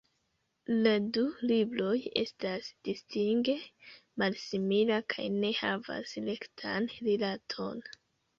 La du libroj estas distinge malsimila kaj ne havas rektan rilaton.